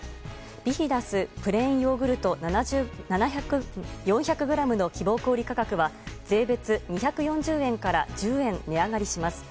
ビヒダスプレーンヨーグルト４００ｇの希望小売価格は税別２４０円から１０円値上がりします。